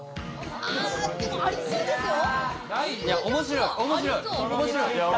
あでもありそうですよ。